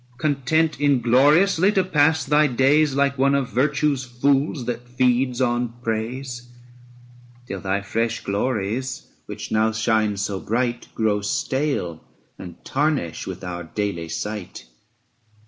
245 Content ingloriously to pass thy days, Like one of virtue's fools that feeds on praise ; Till thy fresh glories, which now shine so bright, Grow stale and tarnish with our daily sight.